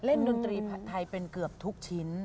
ดนตรีผัดไทยเป็นเกือบทุกชิ้น